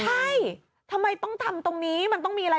ใช่ทำไมต้องทำตรงนี้มันต้องมีอะไร